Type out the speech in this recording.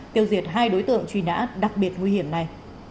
tiêu diệt hai đối tượng truy nã đặc biệt nguy hiểm này